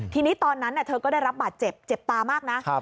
ทีนี้ตอนนั้นเธอก็ได้รับบาดเจ็บเจ็บตามากนะ